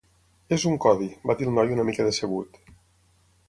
"És un codi", va dir el noi una mica decebut.